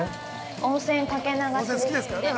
温泉かけ流しですって。